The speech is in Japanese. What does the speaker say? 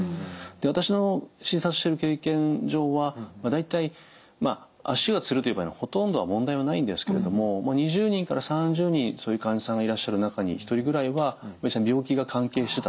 私の診察してる経験上は大体足がつるという場合のほとんどは問題はないんですけれども２０人から３０人そういう患者さんがいらっしゃる中に１人ぐらいは病気が関係してたっていうケースもあるんですね。